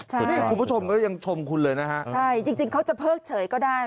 ใช่นี่คุณผู้ชมก็ยังชมคุณเลยนะฮะใช่จริงเขาจะเพิกเฉยก็ได้